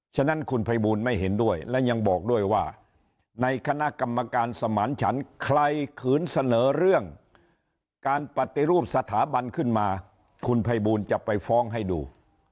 ฉะนั้นคุณภัยบูลไม่เห็นด้วยและยังบอกด้วยว่าในคณะกรรมการสมานฉันใครขืนเสนอเรื่องการปฏิรูปสถาบันขึ้นมาคุณภัยบูลจะไปฟ้องให้ดู